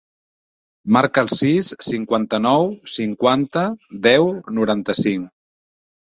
Marca el sis, cinquanta-nou, cinquanta, deu, noranta-cinc.